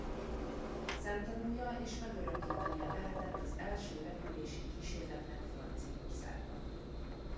Szemtanúja és megörökítője lehetett az első repülési kísérleteknek Franciaországban.